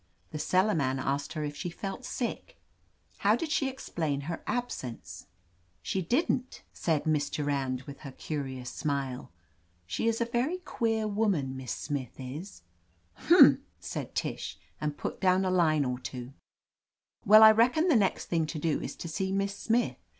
The cellar man asked her if she felt sick." How did she explain her absence?" She didn't," said Miss Durand with her 156 <r i(( OF LETITIA CARBERRY curious smile. "She's a very queer woman, Miss Smith is,'' "Humph r Tish said, and put down a line or two* "Well, I redcon the next thing to do is to see Miss Snuth.